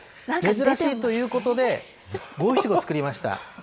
珍しいということで、五七五作りました。